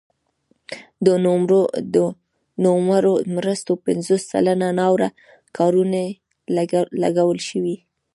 د نوموړو مرستو پنځوس سلنه ناوړه کارونې لګول شوي.